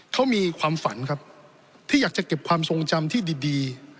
เขามีความฝันครับที่อยากจะเก็บความทรงจำที่ดี